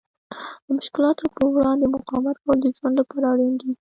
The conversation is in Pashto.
د مشکلاتو په وړاندې مقاومت کول د ژوند لپاره اړین دي.